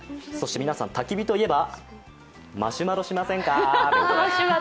皆さん、たき火といえばマシュマロしませんか？